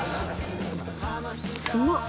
うまっ！